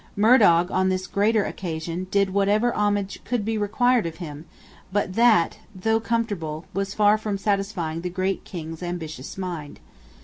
Murdog on this greater occasion did whatever homage could be required of him; but that, though comfortable, was far from satisfying the great King's ambitious mind.